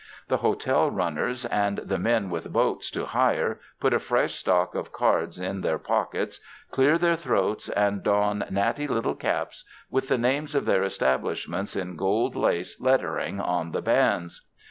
The hotel runners and the men with boats to hire put a fresh stock of cards in their pockets, clear their throats and don natty little caps with the names of their establishments in gold lace lettering on the bands.